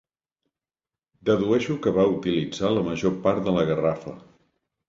Dedueixo que va utilitzar la major part de la garrafa.